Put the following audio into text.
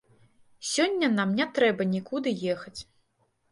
Сёння нам не трэба нікуды ехаць.